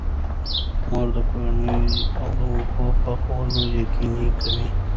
مور د کورنۍ د اوبو پاکوالی یقیني کوي.